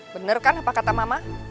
bener kan apa kata mama